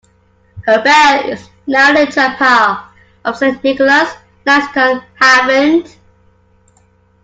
Her bell is now in the chapel of Saint Nicholas, Langstone, Havant.